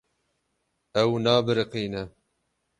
Ew nabiriqîne.